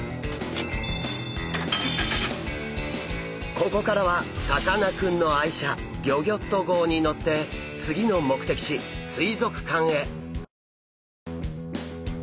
ここからはさかなクンの愛車ギョギョッと号に乗ってつぎの目的地水族館へ！